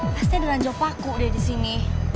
pasti ada ranjau paku deh di sini